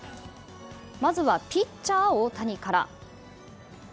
まずはピッチャー大谷から。